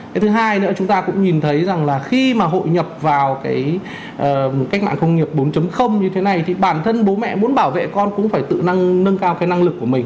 cái thứ hai nữa chúng ta cũng nhìn thấy rằng là khi mà hội nhập vào cái mạng công nghiệp bốn như thế này thì bản thân bố mẹ muốn bảo vệ con cũng phải tự năng nâng cao cái năng lực của mình